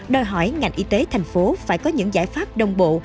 đòi hỏi ngành y tế thành phố phải có những giải pháp đồng bộ